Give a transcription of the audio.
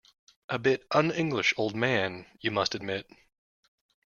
A bit un-English, old man, you must admit.